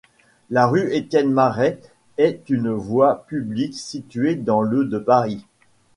La rue Étienne-Marey est une voie publique située dans le de Paris.